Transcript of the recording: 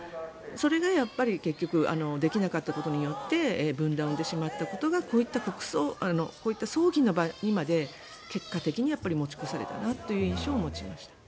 それが結局できなかったことによって分断を生んでしまったことがこういった葬儀の場にまで結果的に持ち越されたなという印象を持ちました。